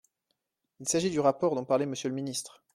Il s’agit du rapport dont parlait Monsieur le ministre.